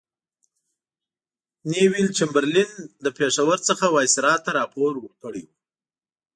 نیویل چمبرلین له پېښور څخه وایسرا ته راپور ورکړی وو.